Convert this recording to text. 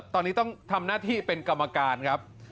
ตอนนี้ต้องทำหน้าที่เป็นกรรมการครับ